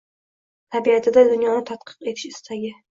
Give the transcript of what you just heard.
Tabiatida dunyoni tadqiq etish istagi